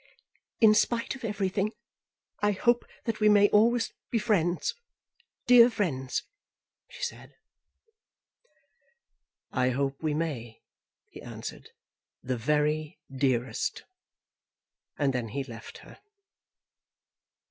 "In spite of everything, I hope that we may always be friends, dear friends," she said. "I hope we may," he answered; "the very dearest." And then he left her.